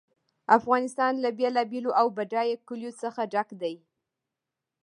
افغانستان له بېلابېلو او بډایه کلیو څخه ډک دی.